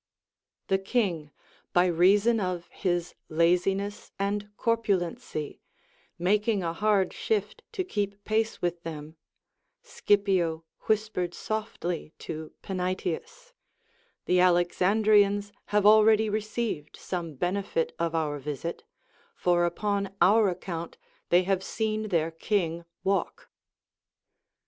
The king, by reason of his laziness and corpulency, making a hard shift to keep pace with them, Scipio Avhispered softly to Panaetius : The x^lexandrians ha\e already received some benefit of our visit, for upon our account they have seen their king walk.